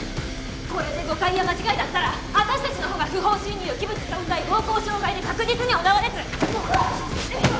これで誤解や間違いだったら私たちのほうが不法侵入器物損壊暴行傷害で確実にお縄です！